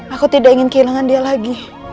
aku tidak ingin kehilangan dia lagi